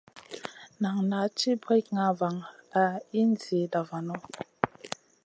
Nan naʼ ci brikŋa van a in zida vanu.